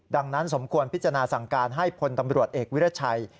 ดังนั้นสมควรพิจารณาสั่งการให้พลตำรวจเอกวิรัชัย